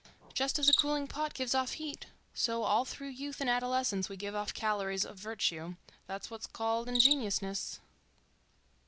Just as a cooling pot gives off heat, so all through youth and adolescence we give off calories of virtue. That's what's called ingenuousness.